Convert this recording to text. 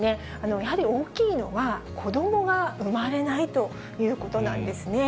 やっぱり大きいのは、子どもが生まれないということなんですね。